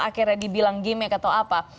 akhirnya dibilang gimmick atau apa